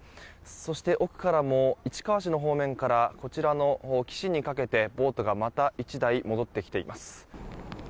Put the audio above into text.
そして、奥からも市川市の方面からこちらの岸にかけてボートがまた１台戻ってきています。